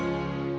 tidak ada orangnya